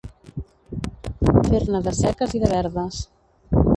Fer-ne de seques i de verdes.